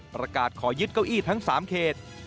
ประกาศขอยึดเก้าอี้ทั้ง๓เขต